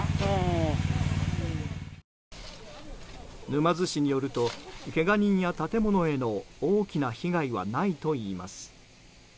沼津市によると、けが人や建物への大きな被害はないといいます。